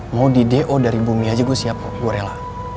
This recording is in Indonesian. mau di do dari bumi aja gue siapa gue rela